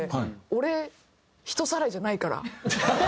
「俺人さらいじゃないから！」。